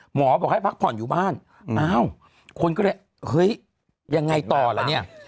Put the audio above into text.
หมอบอกให้พักผ่อนอยู่บ้านอ้าวคนก็เลยเฮ้ยยังไงต่อล่ะเนี่ย